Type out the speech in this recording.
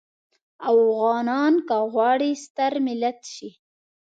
افغانان که غواړي ستر ملت شي.